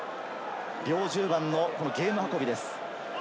両１０番のゲーム運びです。